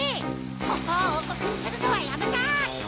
ここをおうこくにするのはやめた！